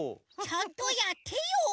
ちゃんとやってよ！